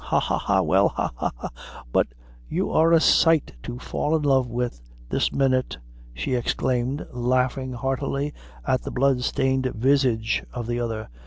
Ha, ha, ha! well ha, ha, ha! but you are a sight to fall in love wid this minute!" she exclaimed, laughing heartily at the blood stained visage of the other.